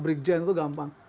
break gen itu gampang